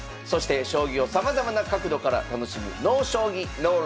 そして将棋をさまざまな角度から楽しむ「ＮＯ将棋ＮＯＬＩＦＥ」。